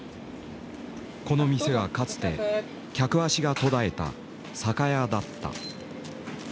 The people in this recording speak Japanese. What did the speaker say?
この店はかつて客足が途絶えた酒屋だった。